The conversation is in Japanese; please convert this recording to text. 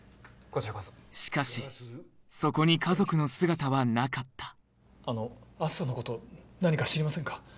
しかしそこに家族の姿はなかったあの篤斗のこと何か知りませんか？